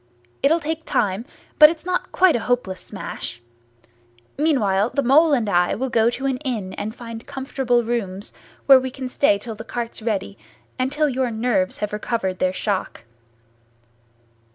It'll take time, but it's not quite a hopeless smash. Meanwhile, the Mole and I will go to an inn and find comfortable rooms where we can stay till the cart's ready, and till your nerves have recovered their shock."